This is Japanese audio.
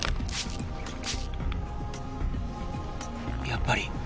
やっぱり。